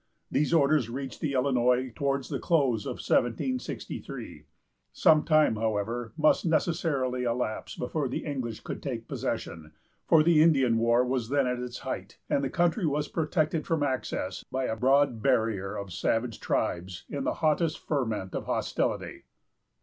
These orders reached the Illinois towards the close of 1763. Some time, however, must necessarily elapse before the English could take possession; for the Indian war was then at its height, and the country was protected from access by a broad barrier of savage tribes, in the hottest ferment of hostility.